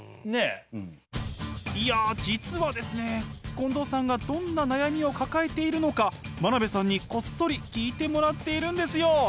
近藤さんがどんな悩みを抱えているのか真鍋さんにこっそり聞いてもらっているんですよ！